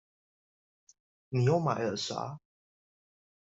你又買了啥？